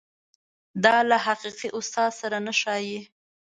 دا له حقیقي استاد سره نه ښايي.